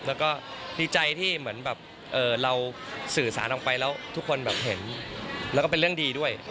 แล้วก็ดีใจที่เหมือนแบบเราสื่อสารออกไปแล้วทุกคนแบบเห็นแล้วก็เป็นเรื่องดีด้วย